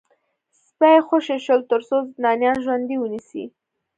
سپي خوشي شول ترڅو زندانیان ژوندي ونیسي